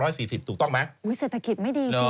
อุ้ยเศรษฐกิจไม่ดีจริง